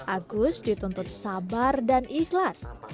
agus dituntut sabar dan ikhlas